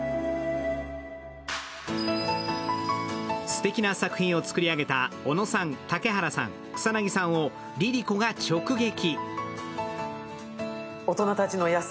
すてきな作品を作り上げた尾野さん、竹原さん、草なぎさんをＬｉＬｉＣｏが直撃。